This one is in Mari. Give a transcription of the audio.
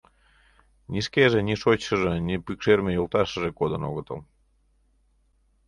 Ни шкеже, ни шочшыжо, ни пӱкшерме йолташыже кодын огытыл.